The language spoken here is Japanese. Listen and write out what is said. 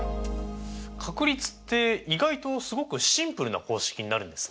確率って意外とすごくシンプルな公式になるんですね。